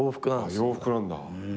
洋服なんだ。